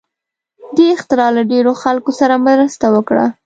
دې اختراع له ډېرو خلکو سره مرسته وکړه.